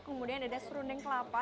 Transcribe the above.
kemudian ada serundeng kelapa